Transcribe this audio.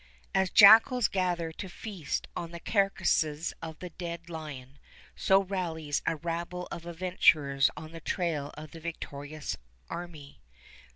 As jackals gather to feast on the carcass of the dead lion, so rallies a rabble of adventurers on the trail of the victorious army.